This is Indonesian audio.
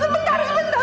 sebentar pak sebentar pak